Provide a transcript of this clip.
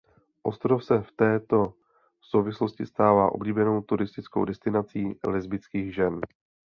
Ostrov se v této souvislosti stává oblíbenou turistickou destinací lesbických žen.